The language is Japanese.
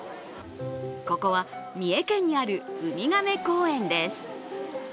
ここは三重県にあるウミガメ公園です。